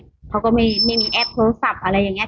เนี้ยเขาก็ไม่ไม่มีแอปโทรศัพท์อะไรอย่างเงี้ย